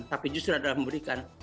tapi justru adalah memberikan